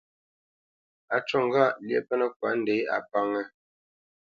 Á ncú ŋgâʼ lyéʼ pə́nə́kwa ndě, a pánŋə́.